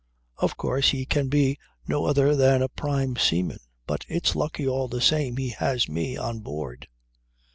Of course he can be no other than a prime seaman; but it's lucky, all the same, he has me on board.